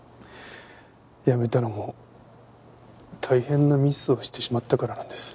辞めたのも大変なミスをしてしまったからなんです。